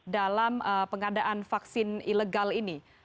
dalam pengadaan vaksin ilegal ini